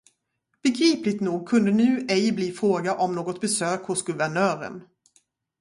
Begripligt nog kunde nu ej bli fråga om något besök hos guvernören.